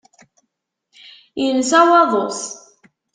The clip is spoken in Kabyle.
Insa waḍu-s.